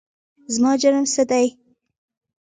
زما جرم څه دی ؟؟